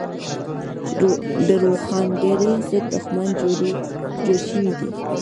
د روښانګرۍ ضد دښمن جوړ شوی دی.